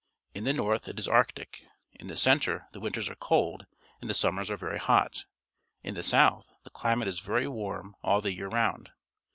In the north it is Arctic. In the centre the winters are cold, and the summers are very hot. In the south the climate is very warm all the year round.